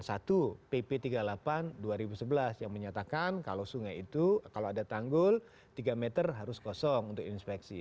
satu pp tiga puluh delapan dua ribu sebelas yang menyatakan kalau sungai itu kalau ada tanggul tiga meter harus kosong untuk inspeksi